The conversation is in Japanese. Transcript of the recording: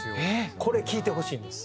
これ聴いてほしいんです。